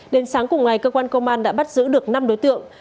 đến sáng cùng ngày cơ quan công an đã bắt giữ được năm đối tượng